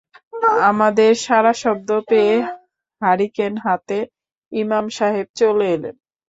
আমাদের সাড়াশব্দ পেয়ে হারিকেন হাতে ইমাম সাহেব চলে এলেন।